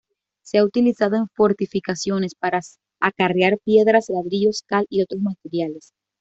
Se ha utilizado en fortificaciones para acarrear piedras, ladrillos, cal y otros materiales.